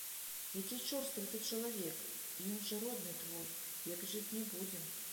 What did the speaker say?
Які чорствы ты чалавек, і ён жа родны твой, век жыць не будзем.